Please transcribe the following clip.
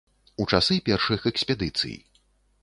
У часы першых экспедыцый.